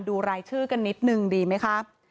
ดูรายชื่อกันนิดหนึ่งดีไหมครับ